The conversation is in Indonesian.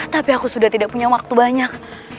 tapi aku sudah tidak punya waktu banyak